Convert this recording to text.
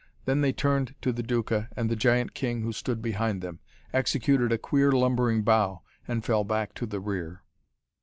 Then they turned to the Duca and the giant king who stood behind them, executed a queer, lumbering bow, and fell back to the rear.